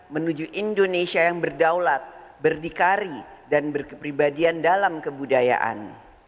menuju indonesia yang berdaulat berdikari dan berkepribadian dalam kebudayaan